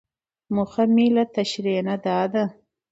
موخه مې له تشريحي نه دا ده.